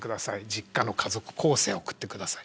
実家の家族構成送ってください。